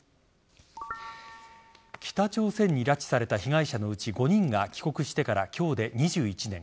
北朝鮮に拉致された被害者のうち５人が帰国してから今日で２１年。